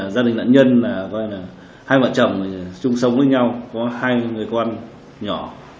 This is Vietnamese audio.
gia đình nạn nhân là hai vợ chồng chung sống với nhau có hai người con nhỏ